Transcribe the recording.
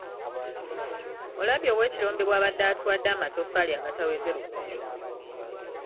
Olabye ow'ekirombe bw'abadde atuwadde amatofaali agataweze lukumi?